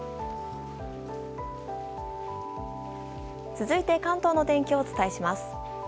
続いて関東の天気をお伝えします。